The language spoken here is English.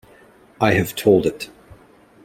I have told it.